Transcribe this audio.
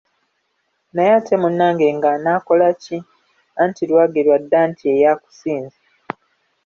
Naye ate munnange ng’anaakola ki anti lwagerwa dda nti, eyakusinze.